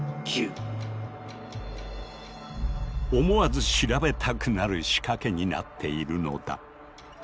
思わず調べたくなる仕掛けになっているのだ。